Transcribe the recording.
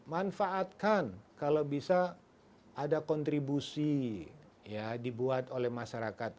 manfaatkan kalau bisa ada kontribusi ya dibuat oleh masyarakat